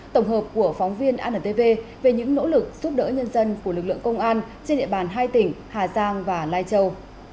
tổng hợp của phóng viên antv về những nỗ lực giúp đỡ nhân dân của lực lượng công an trên địa bàn hai tỉnh hà giang và lai châu